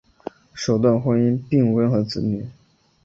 首段婚姻并无任何子女。